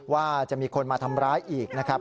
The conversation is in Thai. ว่าจะมีคนมาทำร้ายอีกนะครับ